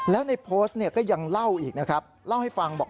แล้วในโพสต์เนี่ยก็ยังเล่าอีกนะครับเล่าให้ฟังบอก